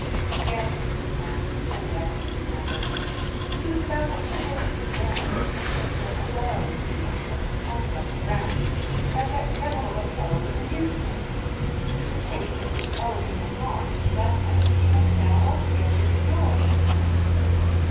"Yes," he returned, so well he remembered, "she was about as civil to me then—picking a quarrel with me on such a trumped up ground!—as that devil of a fellow in the newspaper; the taste of whose elegant remarks, for that matter, she must now altogether enjoy!"